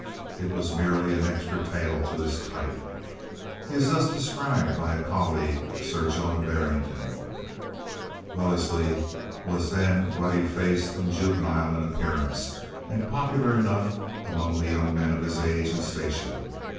It was merely an extra tail to his kite. He is thus described by a colleague, Sir Jonah Barrington: "Wellesley was then ruddy faced and juvenile in appearance, and popular enough among the young men of his age and station.